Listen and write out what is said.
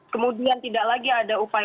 kemudian tidak lagi anggap tidak menanggung